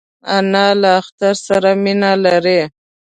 انا له اختر سره مینه لري